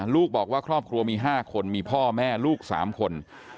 บอกว่าครอบครัวมี๕คนมีพ่อแม่ลูก๓คน